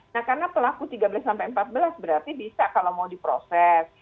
nah karena pelaku tiga belas sampai empat belas berarti bisa kalau mau diproses